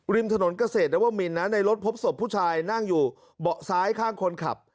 ริมถนนเกษตรนวมินนะในรถพบศพผู้ชายนั่งอยู่เบาะซ้ายข้างคนขับ